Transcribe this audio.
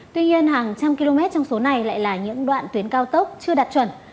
tuy nhiên hàng trăm km trong số này lại là những đoạn tuyến cao tốc chưa đạt chuẩn